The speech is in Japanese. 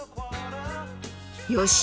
よし！